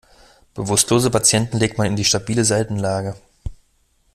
Bewusstlose Patienten legt man in die stabile Seitenlage.